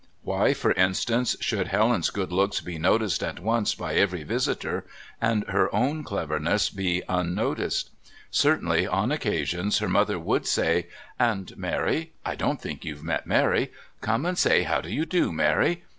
Why, for instance, should Helen's good looks be noticed at once by every visitor and her own cleverness be unnoticed? Certainly, on occasions, her mother would say: "And Mary? I don't think you've met Mary. Come and say, how do you do, Mary.